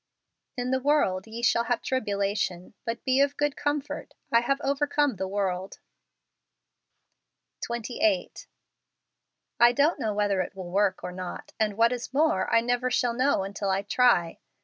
" In the world ye shall have tribulation: but be of good comfort : I have overcome the world" 28. I don't know whether it will work or not; and what is more, I never shall know until I try.